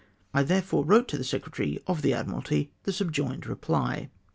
I therefore wrote to the Secretary of the Admiralty the subjoined reply.